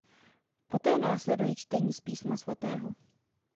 Poté následují čtení z Písma svatého.